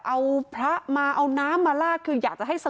บอกยกหมกเป็นอะไร